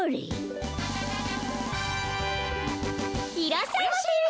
いらっしゃいませ！